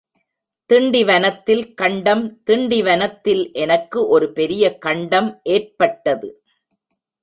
திண்டிவனத்தில் கண்டம் திண்டிவனத்தில் எனக்கு ஒருபெரிய கண்டம் ஏற்பட்டது.